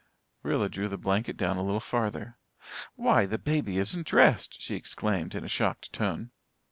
Rilla drew the blanket down a little farther. "Why, the baby isn't dressed!" she exclaimed, in a shocked tone.